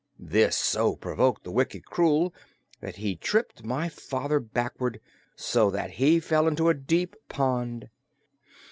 This so provoked the wicked Krewl that he tripped my father backward, so that he fell into a deep pond.